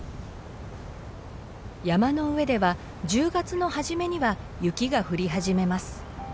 山の上では１０月の初めには雪が降り始めます。